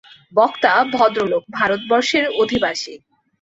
বক্তা ভদ্রলোক, ভারতবর্ষের অধিবাসী।